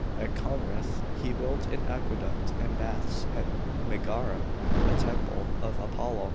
At Corinth he built an aqueduct and baths ; at Megara, a temple of Apollo.